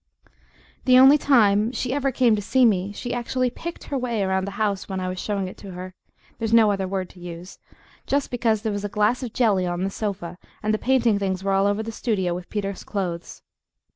The only time she ever came to see me she actually PICKED her way around the house when I was showing it to her there's no other word to use just because there was a glass of jelly on the sofa, and the painting things were all over the studio with Peter's clothes.